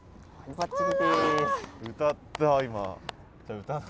バッチリ？